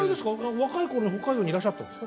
若いころ北海道にいらっしゃったんですか？